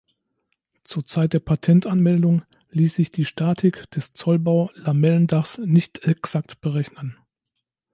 Zur Zeit der Patentanmeldung ließ sich die Statik des Zollbau-Lamellendachs nicht exakt berechnen.